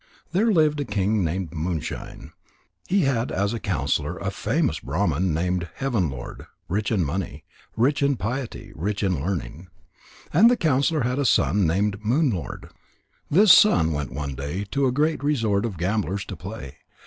There lived a king named Moonshine. He had as counsellor a famous Brahman named Heaven lord, rich in money, rich in piety, rich in learning. And the counsellor had a son named Moon lord. This son went one day to a great resort of gamblers to play.